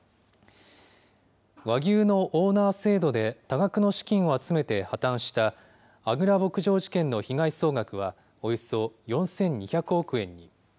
和牛のオーナー制度で多額の資金を集めて破綻した、安愚楽牧場事件の被害総額は、およそ４２００億円に。